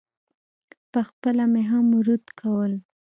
پخپله مې هم ورد کول.